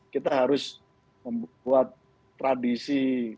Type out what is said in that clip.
kita harus membuat tradisi